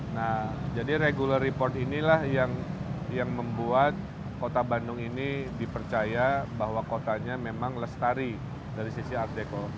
nah jadi regular report inilah yang membuat kota bandung ini dipercaya bahwa kotanya memang lestari dari sisi art deco